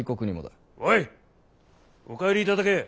おいお帰りいただけ。